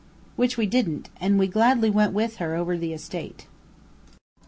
Which we didn't, and we gladly went with her over the estate.